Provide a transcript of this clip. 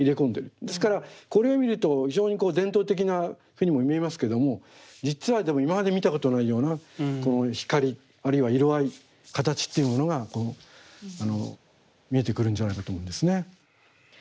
ですからこれを見ると非常にこう伝統的なふうにも見えますけども実はでも今まで見たことないような光あるいは色合い形というものが見えてくるんじゃないかと思うんですね。